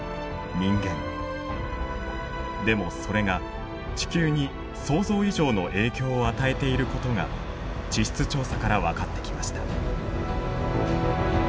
でもそれが地球に想像以上の影響を与えていることが地質調査から分かってきました。